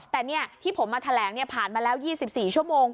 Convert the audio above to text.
แต่ที่ผมมาแถลงผ่านมาแล้ว๒๔ชั่วโมง